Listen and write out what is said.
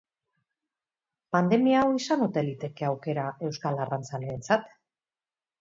Pandemia hau izan ote liteke aukera euskal arrantzaleentzat?